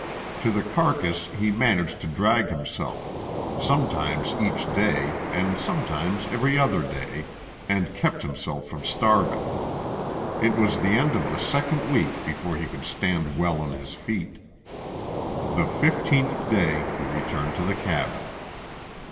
To the carcass he managed to drag himself, sometimes each day and sometimes every other day, and kept himself from starving. It was the end of the second week before he could stand well on his feet. The fifteenth day he returned to the cabin.